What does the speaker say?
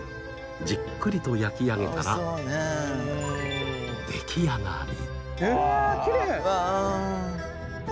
じっくりと焼き上げたら出来上がり！